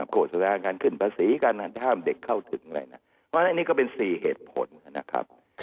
โกสถานการณ์ขึ้นภาษีการห้ามเด็กเข้าถึงอะไรนะอันนี้ก็เป็นสี่เหตุผลนะครับ